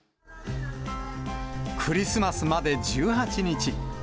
クリスマスまで１８日。